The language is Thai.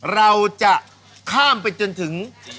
เราจะข้ามไปจนถึง